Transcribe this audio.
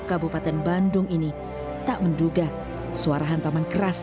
kabupaten bandung ini tak menduga suara hantaman keras